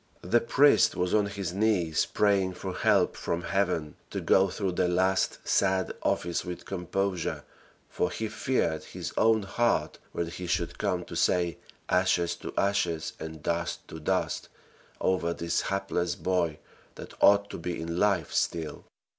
The priest was on his knees, praying for help from heaven to go through the last sad office with composure, for he feared his own heart when he should come to say "ashes to ashes" and "dust to dust" over this hapless boy, that ought to be in life still.